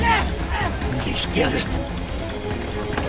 ・逃げ切ってやる。